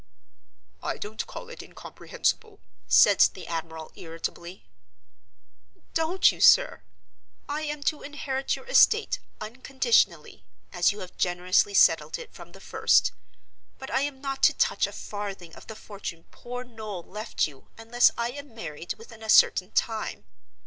"I don't call it incomprehensible," said the admiral, irritably. "Don't you, sir? I am to inherit your estate, unconditionally—as you have generously settled it from the first. But I am not to touch a farthing of the fortune poor Noel left you unless I am married within a certain time.